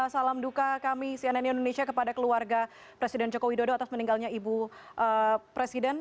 salam duka kami cnn indonesia kepada keluarga presiden joko widodo atas meninggalnya ibu presiden